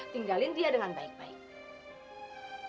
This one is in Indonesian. tinggalin dia dengan baik baik